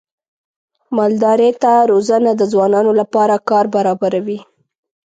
مالدارۍ ته روزنه د ځوانانو لپاره کار برابروي.